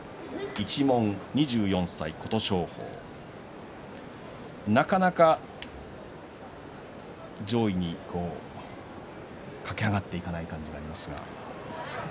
一門、２４歳、琴勝峰なかなか上位に駆け上がっていかない感じですね。